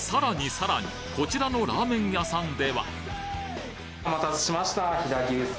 さらにこちらのラーメン屋さんではお待たせしました。